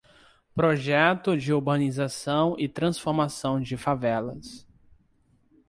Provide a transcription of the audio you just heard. Projeto de urbanização e transformação de favelas